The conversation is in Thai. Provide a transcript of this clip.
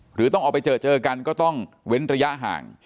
หรือต้องออกไปเจอเจอกันก็ต้องเว้นระยะห่าง